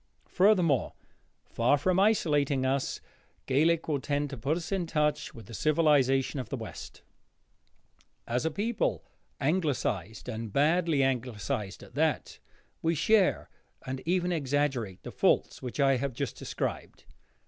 Furthermore, far from isolating us, Gaelic will tend to put us in touch with the civilization of the West. As a people Anglicised, and badly Anglicised at that, we share, and even exaggerate, the faults which I have just described.